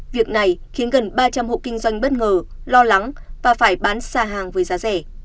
việc này khiến gần ba trăm linh hộ kinh doanh bất ngờ lo lắng và phải bán xa hàng với giá rẻ